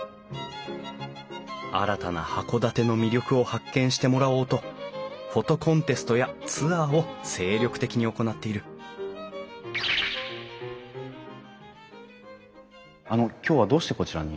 新たな函館の魅力を発見してもらおうとフォトコンテストやツアーを精力的に行っているあの今日はどうしてこちらに？